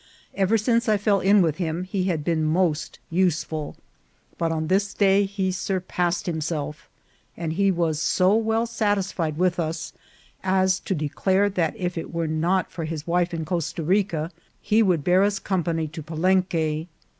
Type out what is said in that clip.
Ever since I fell in with him he had been most useful, but this day he surpassed himself; and he was so well satisfied with us as to declare that if it were not for his wife in Costa Rica, he would bear us company to Palenque.